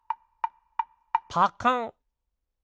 パカン！